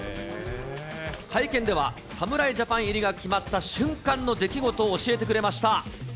会見では、侍ジャパン入りが決まった瞬間の出来事を教えてくれました。